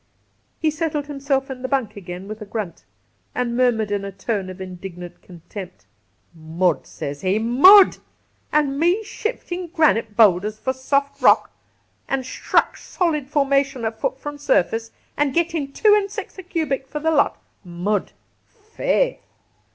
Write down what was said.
He settled himself in the bunk again with a grunt, and murmured in a tone of indignant contempt :' Mud, sez he, mud ! An' me shiftin' granite boulders for soft rock, an shtruck solid formation a fut from surface, an' getting two an' six a cubic fer the lot ! Mud, faith